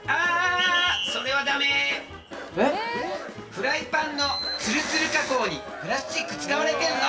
フライパンのツルツル加工にプラスチック使われてんの！